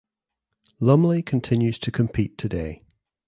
Lumley continues to compete today.